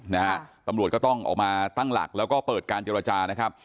นะฮะตำรวจก็ต้องออกมาตั้งหลักแล้วก็เปิดการเจรจานะครับ